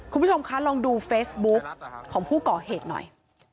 คุณผู้ชมคะลองดูเฟซบุ๊กของผู้ก่อเหตุหน่อย